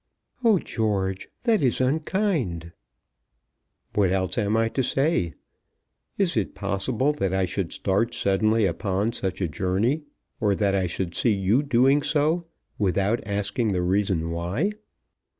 "Oh, George, that is unkind." "What else am I to say? Is it possible that I should start suddenly upon such a journey, or that I should see you doing so, without asking the reason why?